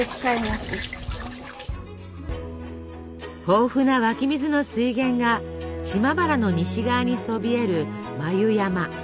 豊富な湧き水の水源が島原の西側にそびえる眉山。